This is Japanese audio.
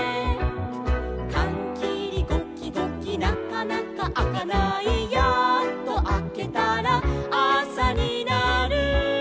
「かんきりゴキゴキなかなかあかない」「やっとあけたらあさになる」